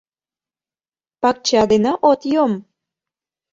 — Пакча дене от йом.